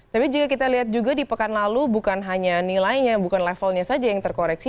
tapi jika kita lihat juga di pekan lalu bukan hanya nilainya bukan levelnya saja yang terkoreksi